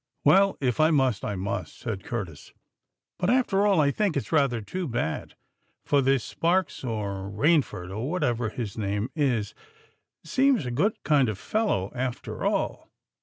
"Well—if I must, I must," said Curtis. "But, after all, I think it's rather too bad—for this Sparks, or Rainford, or whatever his name is, seems a good kind of fellow, after all."